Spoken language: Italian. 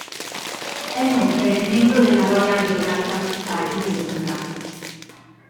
È inoltre membro della Royal Geographical Society di Londra.